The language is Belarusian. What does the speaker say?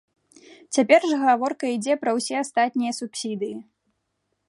Цяпер жа гаворка ідзе пра ўсе астатнія субсідыі.